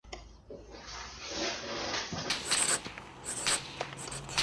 Fue el primer estadounidense en ganar una etapa en una gran vuelta.